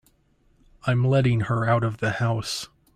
I'm letting her out of the house.